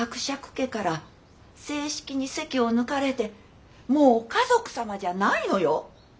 家から正式に籍を抜かれてもう華族様じゃないのよ。